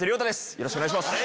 よろしくお願いします。